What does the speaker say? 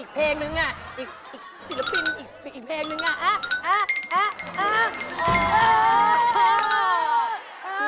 อีกเกี่ยวกับศิลปินอีกเพลงหนึ่ง